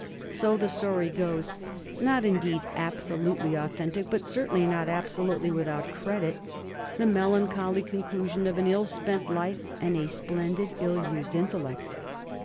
So the story goes — not, indeed, absolutely authentic, but cer tainly not absolutely without credit — the melancholy con clusion of an ill spent life and a splendid, ill used intellect.